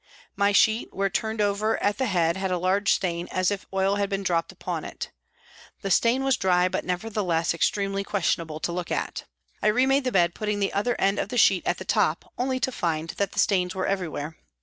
My sheet, where turned over at the head, had a large stain, as if oil had been dropped upon it. The stain was dry, but, nevertheless, extremely objectionable to look at. I remade the bed, putting the other end of the sheet at the top, only to find that the stains were everywhere.